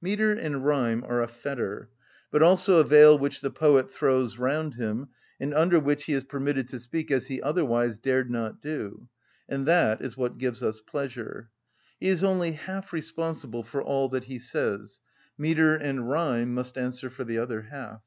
Metre and rhyme are a fetter, but also a veil which the poet throws round him, and under which he is permitted to speak as he otherwise dared not do; and that is what gives us pleasure. He is only half responsible for all that he says; metre and rhyme must answer for the other half.